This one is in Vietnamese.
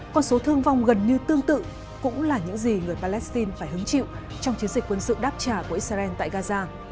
con số thương vong gần như tương tự cũng là những gì người palestine phải hứng chịu trong chiến dịch quân sự đáp trả của israel tại gaza